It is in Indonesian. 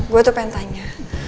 gue tuh pengen tanya